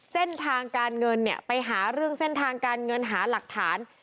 เส้นทางการเงินเนี่ยไปหาเรื่องเส้นทางการเงินหาหลักฐาน